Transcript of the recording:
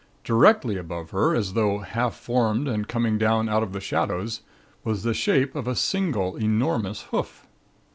Directly above her, as though half formed and coming down out of the shadows, was the shape of a single enormous hoof.